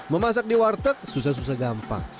memasak di warteg susah susah gampang